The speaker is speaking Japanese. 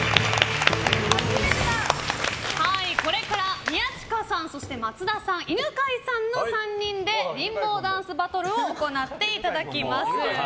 これから宮近さんそして松田さん犬飼さんの３人でリンボーダンスバトルを行っていただきます。